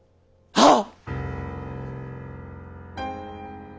はっ。